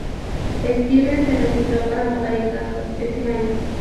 Stevens se registró para votar en Kansas ese año.